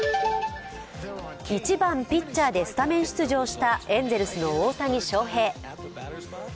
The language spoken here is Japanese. １番・ピッチャーでスタメン出場したエンゼルスの大谷翔平。